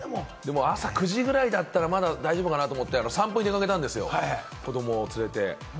朝９時くらいだったら、まだ大丈夫かな？と思って散歩に出かけたんですよ、子ども連れて。